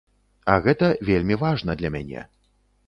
А гэта вельмі важна для мяне.